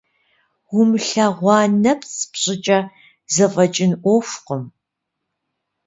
Умылъэгъуа нэпцӀ пщӏыкӏэ зэфӏэкӏын ӏуэхукъым.